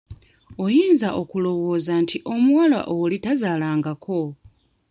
Oyinza okulowooza nti omuwala oli tazaalangako.